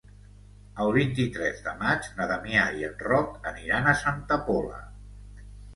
El vint-i-tres de maig na Damià i en Roc aniran a Santa Pola.